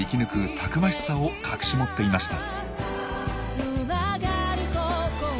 たくましさを隠し持っていました。